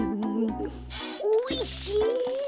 おいしい。